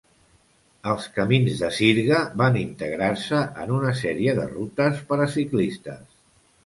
Els camins de sirga van integrar-se en una sèrie de rutes per a ciclistes.